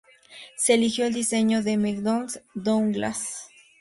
Se eligió el diseño de McDonnell Douglas.